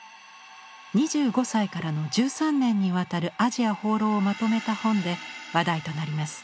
２５歳からの１３年にわたるアジア放浪をまとめた本で話題となります。